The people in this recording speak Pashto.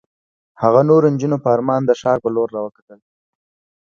هغه نورو نجونو په ارمان د ښار په لور را وکتل.